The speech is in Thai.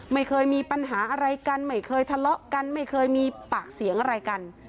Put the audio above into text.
ไม่เคยมีปัญหาอะไรกันไม่เคยทะเลาะกันไม่เคยมีปากเสียงอะไรกัน